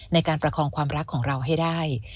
ในการประคองความรักของเราให้ได้